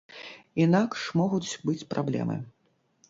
Інакш могуць быць праблемы.